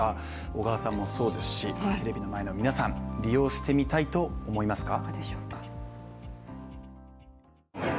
小川さんもそうですし、テレビの前の皆さん利用してみたいと思いますか？